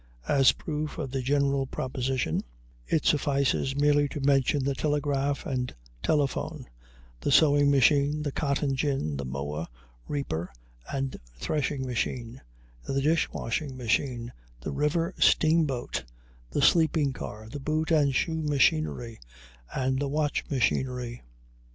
As proof of the general proposition, it suffices merely to mention the telegraph and telephone, the sewing machine, the cotton gin, the mower, reaper, and threshing machine, the dish washing machine, the river steamboat, the sleeping car, the boot and shoe machinery, and the watch machinery.